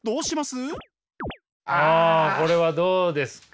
あこれはどうですか？